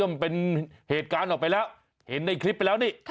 มันเป็นเหตุการณ์ออกไปแล้วเห็นในคลิปไปแล้วนี่